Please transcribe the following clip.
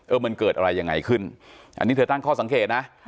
มันเกิดอะไรยังไงขึ้นอันนี้เธอตั้งข้อสังเกตนะ